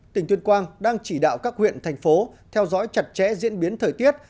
tỉnh tuyên quang đang chỉ đạo các huyện thành phố theo dõi chặt chẽ diễn biến thời tiết